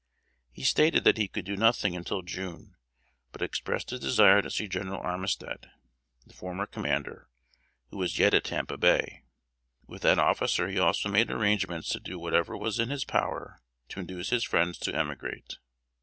He stated that he could do nothing until June; but expressed his desire to see General Armistead, the former commander, who was yet at Tampa Bay. With that officer he also made arrangements to do whatever was in his power to induce his friends to emigrate.